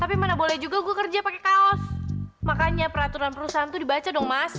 tapi mana boleh juga gue kerja pakai kaos makanya peraturan perusahaan itu dibaca dong mas